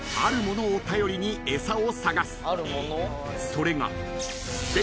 ［それが］